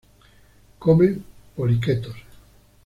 Come poliquetos.